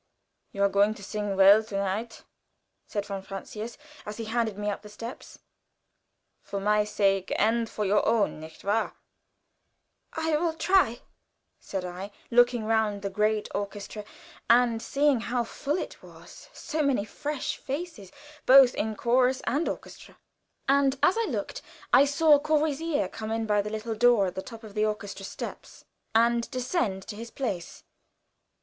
"You are going to sing well to night," said von Francius, as he handed me up the steps "for my sake and your own, nicht wahr?" "I will try," said, I, looking round the great orchestra, and seeing how full it was so many fresh faces, both in chorus and orchestra. And as I looked, I saw Courvoisier come in by the little door at the top of the orchestra steps and descend to his place.